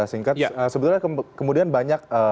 singkat sebetulnya kemudian banyak